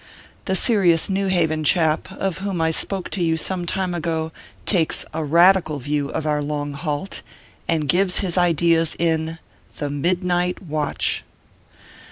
The serious New Haven chap, of whom I spoke to you some time ago, takes a "radical" view of our long halt, and gives his ideas in THE MIDNIGHT WATCH.